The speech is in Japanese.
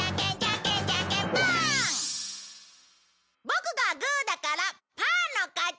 ボクがグーだからパーの勝ち！